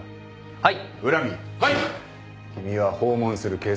はい